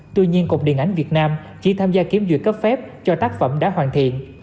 tuy nhiên cục điện ảnh việt nam chỉ tham gia kiểm duyệt cấp phép cho tác phẩm đã hoàn thiện